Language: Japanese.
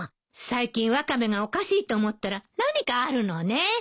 最近ワカメがおかしいと思ったら何かあるのね。